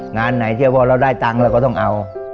งานไหนที่ว่าเราได้ตังค์เราก็ต้องเอา